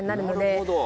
なるほど。